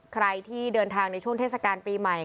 ใครที่เดินทางในช่วงเทศกาลปีใหม่